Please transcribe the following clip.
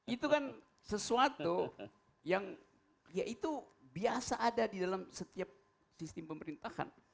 itu kan sesuatu yang ya itu biasa ada di dalam setiap sistem pemerintahan